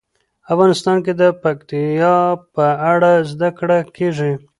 افغانستان کې د پکتیا په اړه زده کړه کېږي.